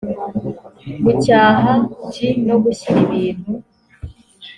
gucyaha g no gushyira ibintu